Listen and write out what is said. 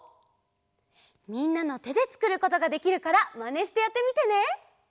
みんなのてでつくることができるからマネしてやってみてね！